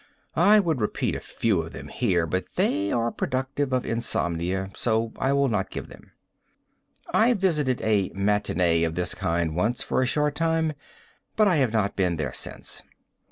I would repeat a few of them here, but they are productive of insomnia, so I will not give them. I visited a matinee of this kind once for a short time, but I have not been there since.